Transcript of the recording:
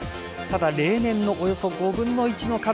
ただ例年のおよそ５分の１の数。